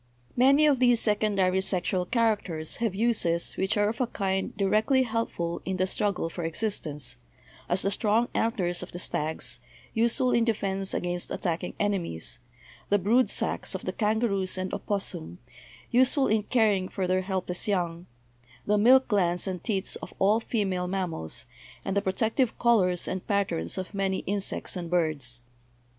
Many of these secondary sexual characters have uses which are of a kind directly helpful in the struggle for existence, as the strong antlers of the stags, useful in defense against attacking enemies; the brood sacs of the kangaroos and opossum, useful in caring for their help less young; the milk glands and teats of all female mam mals, and the protective colors and patterns of many in sects and birds.